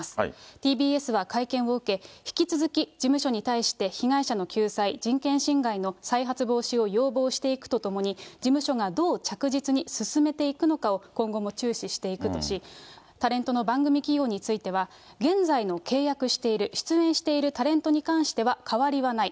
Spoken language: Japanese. ＴＢＳは会見を受け、引き続き、事務所に対して、被害者の救済、人権侵害の再発防止を要望していくとともに、事務所がどう着実に進めていくのかを今後も注視していくとし、タレントの番組起用については、現在の契約している、出演しているタレントに関しては変わりはない。